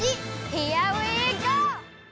ヒアウィーゴー！